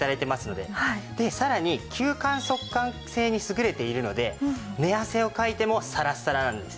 でさらに吸汗速乾性に優れているので寝汗をかいてもサラサラなんです。